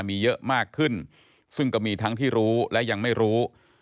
มีเยอะมากขึ้นซึ่งก็มีทั้งที่รู้และยังไม่รู้